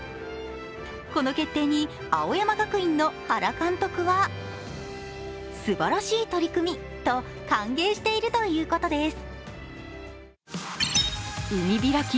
この決定に青山学院の原監督はすばらしい取り組みと歓迎しているということです。